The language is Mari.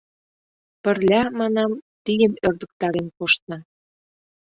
Пырля, манам, тийым ӧрдыктарен коштна.